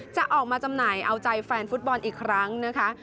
จะออกมาจำหน่ายเอาใจแฟนฟุตบอลอีกครั้งนะคะ